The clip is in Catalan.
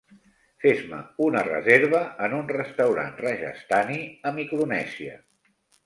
Fes-me una reserva en un restaurant rajasthani a Micronèsia